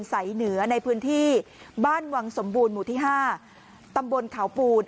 สายเหนือในพื้นที่บ้านวังสมบูรณ์หมู่ที่๕ตำบลเขาปูน